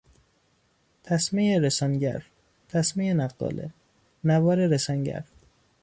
تسمهی رسانگر، تسمه نقاله، نوار رسانگر